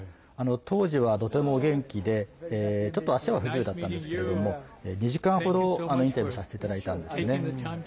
当時は、とてもお元気でちょっと足は不自由だったんですけれども２時間ほどインタビューさせていただいたんですね。